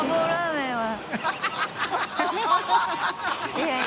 いやいや。